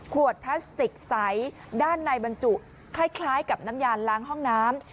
พลาสติกใสด้านในบรรจุคล้ายกับน้ำยาล้างห้องน้ำ